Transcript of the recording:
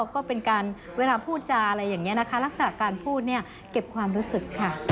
ก็เป็นการเวลาพูดจาอะไรอย่างนี้นะคะลักษณะการพูดเนี่ยเก็บความรู้สึกค่ะ